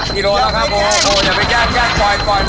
ทีโลแล้วครับโอ้โหอย่าไปแกล้งปล่อย